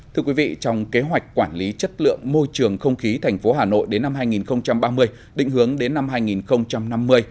thưa quý vị trong kế hoạch quản lý chất lượng môi trường không khí thành phố hà nội đến năm hai nghìn ba mươi định hướng đến năm hai nghìn năm mươi